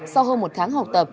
sau hơn một tháng học tập